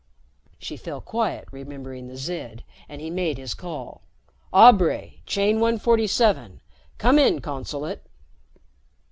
She fell quiet, remembering the Zid, and he made his call. "Aubray, Chain 147. Come in, Consulate!"